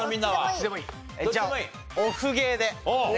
じゃあオフゲーで。